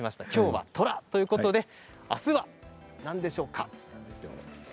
きょうは虎ということであすは何でしょうか。